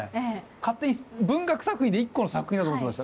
勝手に文学作品で一個の作品だと思ってました。